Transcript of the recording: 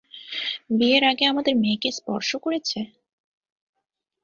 বিয়ের আগে আমাদের মেয়েকে স্পর্শ করেছে!